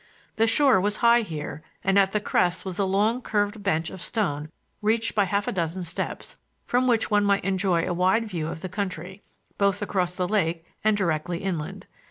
The shore was high here and at the crest was a long curved bench of stone reached by half a dozen steps, from which one might enjoy a wide view of the country, both across the lake and directly inland.